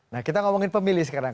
nah kita ngomongin pemilih sekarang